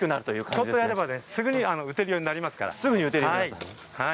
ちょっとやればすぐに打てるようになりますから。